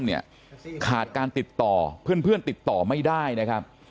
ขาดการติดต่อเพื่อนติดต่อไม่ได้นะครับ